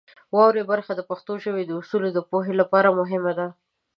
واورئ برخه د پښتو ژبې د اصولو د پوهې لپاره مهمه ده.